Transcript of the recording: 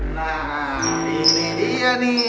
nah ini dia nih